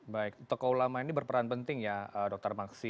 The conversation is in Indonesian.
baik tokoh ulama ini berperan penting ya dokter maksi